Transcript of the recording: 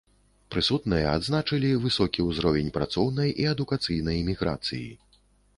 Прысутныя адзначылі высокі ўзровень працоўнай і адукацыйнай міграцыі.